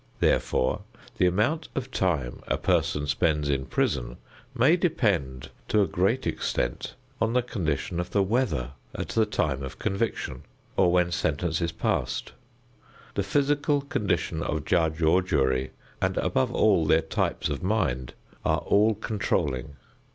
Therefore, the amount of time a person spends in prison may depend to a great extent on the condition of the weather at the time of conviction or when sentence is passed. The physical condition of judge or jury, and above all, their types of mind, are all controlling.